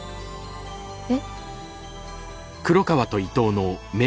えっ？